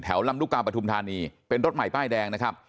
แถวรำดุกราบประธุมธนีย์เป็นรถใหม่ป้ายแดงนะครับ